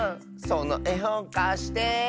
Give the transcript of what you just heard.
そのえほんかして。